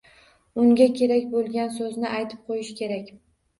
Unga kerak bo‘lgan so‘zni aytib qo‘yish kerak.